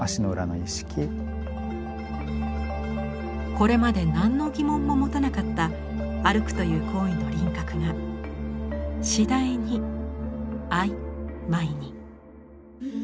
これまで何の疑問も持たなかった歩くという行為の輪郭が次第に曖昧に。